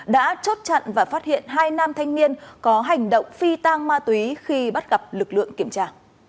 đã chốt chặn và phát hiện hai nam thanh niên có hành động phi tang ma túy khi bắt gặp lực lượng kiểm tra